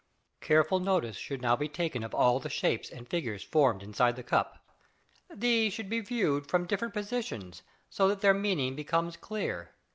Careful notice should now be taken of all the shapes and figures formed inside the cup. These should be viewed front different positions, so that their meaning becomes clear.